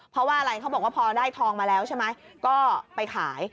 เพราะว่าอะไรเขาบอกว่าพอได้ทองมาแล้วใช่ไหมก็ไปขาย